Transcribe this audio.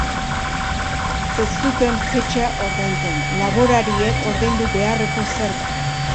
Ez zuten petxa ordaintzen, laborariek ordaindu beharreko zerga.